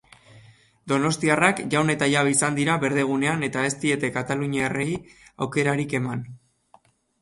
Donostiarrak jaun eta jabe izan dira berdegunean eta ez diete kataluniarrei aukerarik eman.